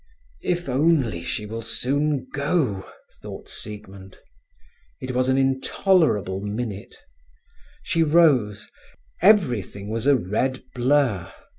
"If only she will soon go!" thought Siegmund. It was an intolerable minute. She rose; everything was a red blur.